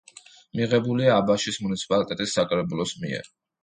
მიღებულია აბაშის მუნიციპალიტეტის საკრებულოს მიერ.